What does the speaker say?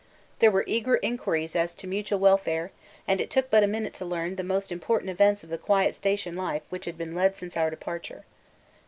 There were eager inquiries as to mutual welfare and it took but a minute to learn the most important events of the quiet station life which had been led since our departure.